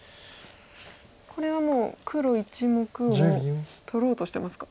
これはもう黒１目を取ろうとしてますか。